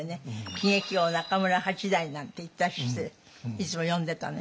喜劇王・中村八大なんて言ったりしていつも呼んでたね。